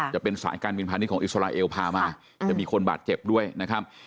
จะเป็นสายการบินพาณิชยของอิสราเอลพามาจะมีคนบาดเจ็บด้วยนะครับ